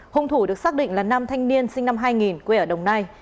hung thủ được xác định là nam thanh niên sinh năm hai nghìn quê ở đồng nai